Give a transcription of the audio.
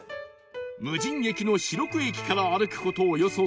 無人駅の白久駅から歩く事およそ３キロ